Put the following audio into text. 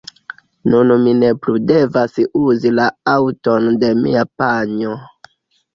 Nun mi ne plu devas uzi la aŭton de mia panjo.